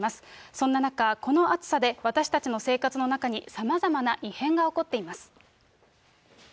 そんな中、この暑さで私たちの生活の中にさまざまな異変が起こっています。